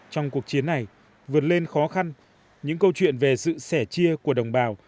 trong cuộc chiến này vượt lên khó khăn những câu chuyện về sự sẻ chia của đồng bào